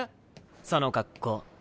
その格好。